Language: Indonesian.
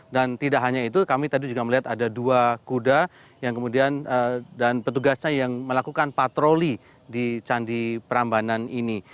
dan tidak hanya itu kami tadi juga melihat ada dua kuda yang kemudian dan petugasnya yang melakukan patroli di candi perambanan ini